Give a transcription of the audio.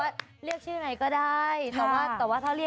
รีบพอเรียกชื่อไหนก็ได้